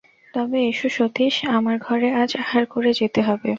তবে এসো সতীশ, আমার ঘরে আজ আহার করে যেতে হবে।